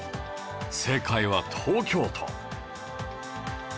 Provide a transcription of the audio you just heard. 正解は東京都